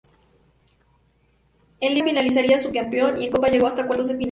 En liga finalizaría subcampeón y en copa llegó hasta cuartos de final.